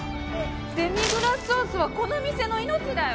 デミグラスソースはこの店の命だよ？